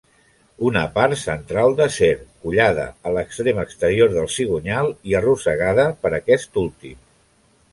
Una part central d'acer, collada a l'extrem exterior del cigonyal i arrossegada per aquest últim.